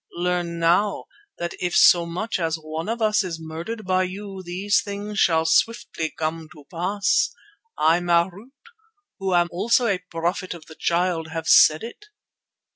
Learn now that if so much as one of us is murdered by you, these things shall swiftly come to pass. I, Marût, who am also a Prophet of the Child, have said it."